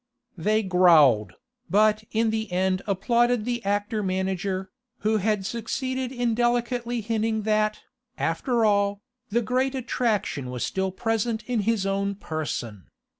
They growled, but in the end applauded the actor manager, who had succeeded in delicately hinting that, after all, the great attraction was still present in his own person.